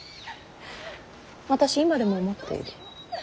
私今でも思っている。